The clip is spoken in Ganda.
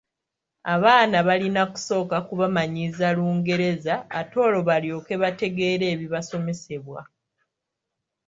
Abaana balina kusooka kubamanyiiza Lungereza ate olwo balyoke bategeere ebibasomesebwa.